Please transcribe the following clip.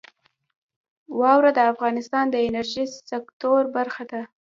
واوره د افغانستان د انرژۍ سکتور برخه ده.